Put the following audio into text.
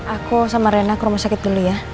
aku sama rena ke rumah sakit dulu ya